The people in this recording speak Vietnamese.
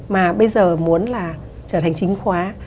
mà bây giờ muốn là trở thành chính khóa